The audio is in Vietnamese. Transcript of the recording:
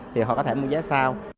thì họ có thể mua giá sau